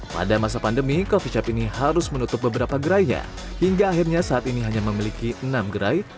pada masa pandemi coffee chep ini harus menutup beberapa gerainya hingga akhirnya saat ini hanya memiliki enam gerai